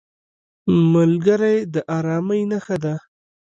ملګری د ارامۍ نښه ده